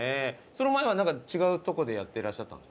その前はなんか違うとこでやってらっしゃったんですか？